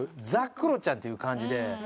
ＴＨＥクロちゃんっていう感じで。